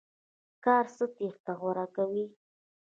کار څخه تېښته غوره کوي.